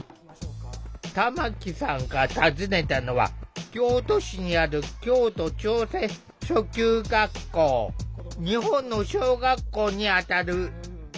玉木さんが訪ねたのは京都市にある日本の小学校にあたる。